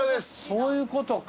そういうことか。